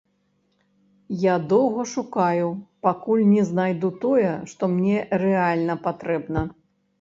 Я доўга шукаю, пакуль не знайду тое, што мне рэальна патрэбна.